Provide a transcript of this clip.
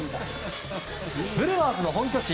ブルワーズの本拠地